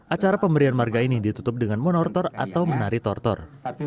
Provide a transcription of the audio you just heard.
acara pemberian marga ini ditutup dengan monortor atau menari tortor